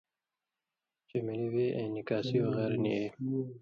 چے مِلیۡ وے ایں نِکاسی وغیرہ نی بے